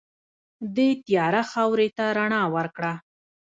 دې تیاره خاورې ته رڼا ورکړه.